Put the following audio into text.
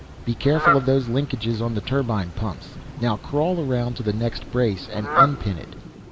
Be careful of those linkages on the turbine pumps. Now crawl around to the next brace and unpin it."